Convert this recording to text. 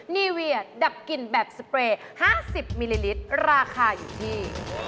นี่เวียดับกลิ่นแบบสเปรย์๕๐มิลลิลิตรราคาอยู่ที่